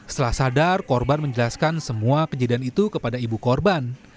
setelah sadar korban menjelaskan semua kejadian itu kepada ibu korban